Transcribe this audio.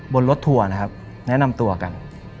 บนรถทัวร์นะครับแนะนำตัวกัน